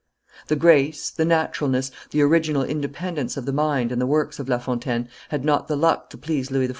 The grace, the naturalness, the original independence of the mind and the works of La Fontaine had not the luck to please Louis XIV.